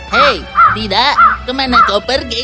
hei tidak kemana kau pergi